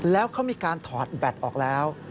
แล้วเขามีการถอดแบตออกแล้ว